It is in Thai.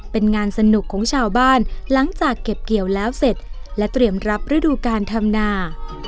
เป็นงานสนุกของชาวบ้านหลังจากเก็บเกี่ยวแล้วเสร็จและเตรียมรับฤดูการทำนา